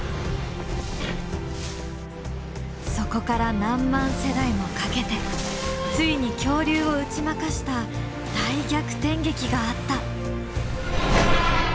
そこから何万世代もかけてついに恐竜を打ち負かした大逆転劇があった。